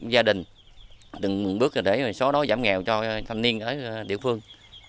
gia đình từng bước để số đó giảm nghèo cho thanh niên ở địa phương